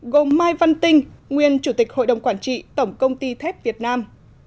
gồm mai văn tinh nguyên chủ tịch hội đồng quản trị tổng công ty thép việt nam